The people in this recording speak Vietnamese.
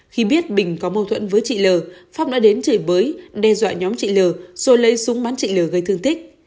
khi biết bình có mâu thuẫn với chị l pháp đã đến chửi bới đe dọa nhóm chị l rồi lấy súng bắn chị lừa gây thương tích